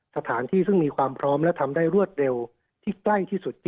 สถานที่ซึ่งมีความพร้อมและทำได้รวดเร็วที่ใกล้ที่สุด